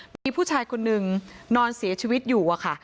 มีผู้ชายคนนึงนอนเสียชีวิตอยู่อะค่ะ